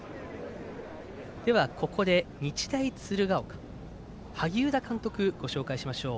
ここで、日大鶴ヶ丘萩生田監督をご紹介しましょう。